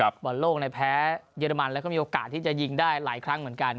บอลโลกในแพ้เยอรมันแล้วก็มีโอกาสที่จะยิงได้หลายครั้งเหมือนกัน